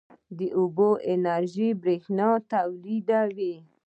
د اوبو انرژي برښنا تولیدوي